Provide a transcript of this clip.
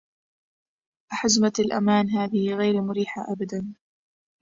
أحزمة الأمان هذه غير مريحة أبداً.